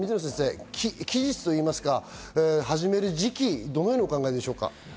期日といいますか、始める時期、どのようにお考えでしょうか？